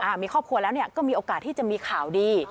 มีครอบครัวแล้วเนี่ยก็มีโอกาสที่จะมีข่าวดี